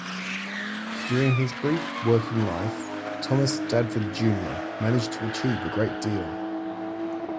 During his brief working life Thomas Dadford Junior managed to achieve a great deal.